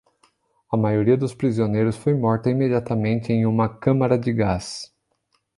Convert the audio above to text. A maioria dos prisioneiros foi morta imediatamente em uma câmara de gás.